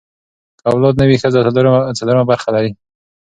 که اولاد نه وي، ښځه څلورمه برخه لري.